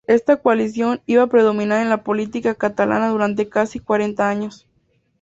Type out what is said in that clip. Esta coalición iba predominar en la política catalana durante casi cuarenta años.